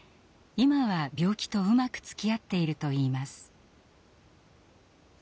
今は病気とうまくつきあっているといいます。